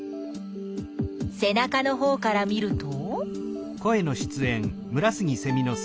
せなかのほうから見ると？